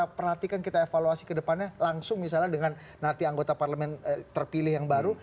kita perhatikan kita evaluasi kedepannya langsung misalnya dengan nanti anggota parlemen terpilih yang baru